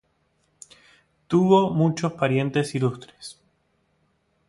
Tuvo muchos parientes ilustres.